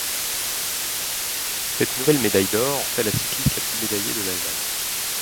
Cette nouvelle médaille d'or, en fait la cycliste le plus médaillée de l'Allemagne.